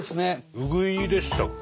うぐいでしたっけ？